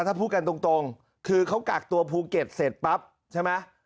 ถ้าพูดกันตรงคือเขากักตัวภูเก็ตเสร็จปั๊บใช่ไหม